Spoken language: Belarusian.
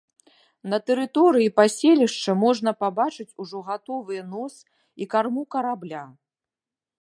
На тэрыторыі паселішча можна пабачыць ужо гатовыя нос і карму карабля.